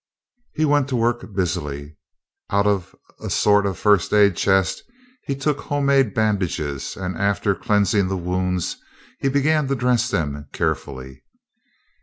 He went to work busily. Out of a sort of first aid chest he took homemade bandages and, after cleansing the wounds, he began to dress them carefully.